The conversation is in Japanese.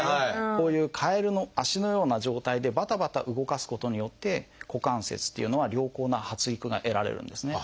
こういうカエルの脚のような状態でバタバタ動かすことによって股関節っていうのは良好な発育が得られるんですね。